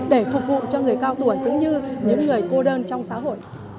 để phục vụ cho người cao tuổi cũng như những người cô đơn trong xã hội